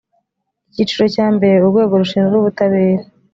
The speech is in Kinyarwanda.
icyiciro cya mbere urwego rushinzwe ubutabera